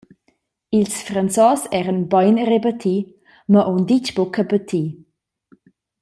Ils Franzos eran bein rebatti, mo aunc ditg buca batti.